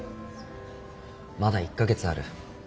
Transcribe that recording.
まだ１か月ある。